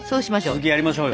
続きやりましょうよ。